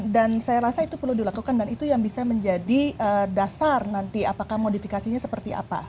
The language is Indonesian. dan saya rasa itu perlu dilakukan dan itu yang bisa menjadi dasar nanti apakah modifikasinya seperti apa